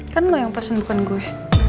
kan mau yang pasun bukan gue